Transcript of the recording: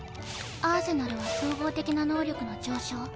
アーセナルは総合的な能力の上昇。